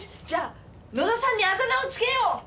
じゃあ野田さんにあだ名を付けよう！